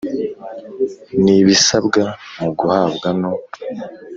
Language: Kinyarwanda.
N ibisabwa mu guhabwa no